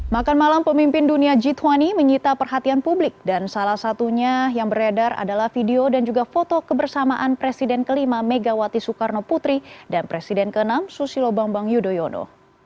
makan malam pemimpin dunia g dua puluh menyita perhatian publik dan salah satunya yang beredar adalah video dan juga foto kebersamaan presiden kelima megawati soekarno putri dan presiden ke enam susilo bambang yudhoyono